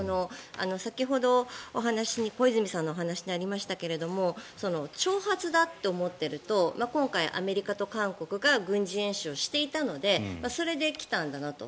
先ほど、小泉さんのお話にありましたけれども挑発だと思っていると今回、アメリカと韓国が軍事演習をしていたのでそれで来たんだなと。